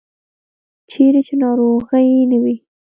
چیرې چې ناروغي نه وي.